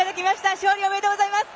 勝利、おめでとうございます。